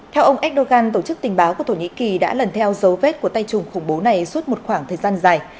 theo ông erdogan tổ chức tình báo của thổ nhĩ kỳ đã lần theo dấu vết của tay trùng khủng bố này suốt một khoảng thời gian dài